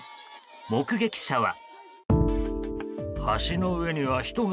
目撃者は。